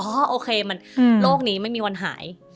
เตรียมโต๊ะว่าโอเคโลกนี้ไม่มีวันหาย